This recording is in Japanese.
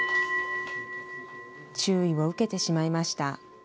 注意を受けてしまいました。